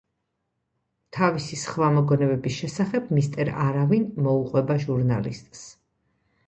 თავისი სხვა მოგონებების შესახებ „მისტერ არავინ“ მოუყვება ჟურნალისტს.